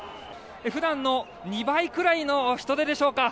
普段の２倍くらいの人出でしょうか。